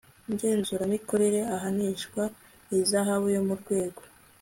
ngenzuramikorere ahanishwa ihazabu yo mu rwego